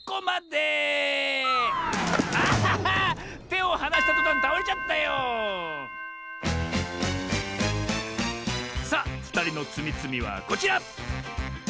てをはなしたとたんたおれちゃったよさあふたりのつみつみはこちら！